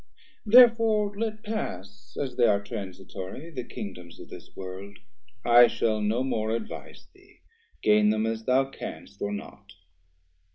Therefore let pass, as they are transitory, The Kingdoms of this world; I shall no more 210 Advise thee, gain them as thou canst, or not.